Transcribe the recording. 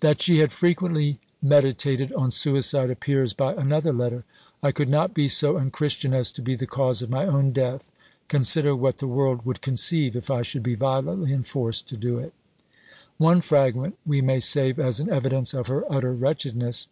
That she had frequently meditated on suicide appears by another letter "I could not be so unchristian as to be the cause of my own death. Consider what the world would conceive if I should be violently enforced to do it." One fragment we may save as an evidence of her utter wretchedness.